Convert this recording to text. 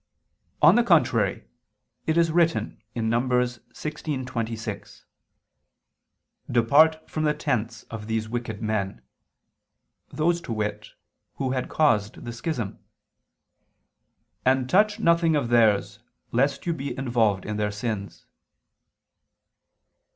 On the contrary, It is written (Num. 16:26): "Depart from the tents of these wicked men," those, to wit, who had caused the schism, "and touch nothing of theirs, lest you be involved in their sins."